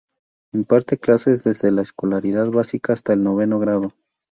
Imparte clases desde la escolaridad básica hasta el noveno grado.